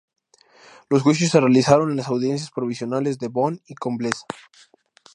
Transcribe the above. Los juicios se realizaron en las audiencias provinciales de Bonn y Coblenza.